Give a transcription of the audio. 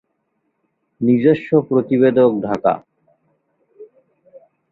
নিজস্ব প্রতিবেদকঢাকা